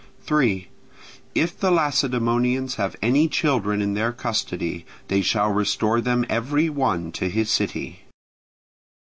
3. If the Lacedaemonians have any children in their custody, they shall restore them every one to his city.